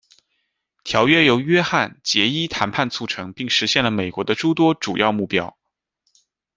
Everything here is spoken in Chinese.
条约由约翰·杰伊谈判促成并实现了美国的诸多主要目标。